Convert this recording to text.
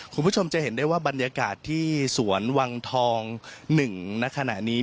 คุณผู้ชมจะเห็นได้ว่าบรรยากาศที่สวนวังทอง๑ณขณะนี้